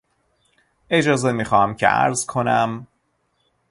اجازه میخواهم که عرض کنم...